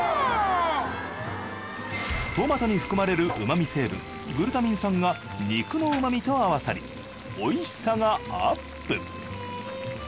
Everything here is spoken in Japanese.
トマトに含まれるうま味成分グルタミン酸が肉のうま味とあわさりおいしさがアップ